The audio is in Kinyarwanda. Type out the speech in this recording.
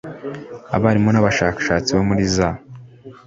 Abarimu n Abashakashatsi bo muri za